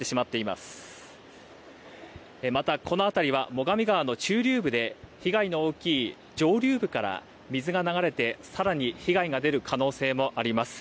また、この辺りは最上川の中流部で被害の大きい上流部から水が流れて更に被害が出る可能性もあります。